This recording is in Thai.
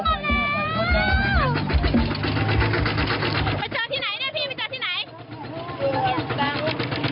ปลาส้ม